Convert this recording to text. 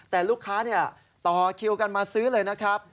แต่ลูกค้าต่อคิวกันมาซื้อเลยนะครับ